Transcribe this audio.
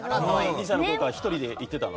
２歳のころから１人で行ってたの？